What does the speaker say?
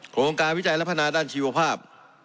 โครงการวิจัยและพัฒนาด้านชีวภาพ